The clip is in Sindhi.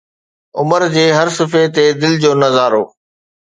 عمر جي هر صفحي تي دل جو نظارو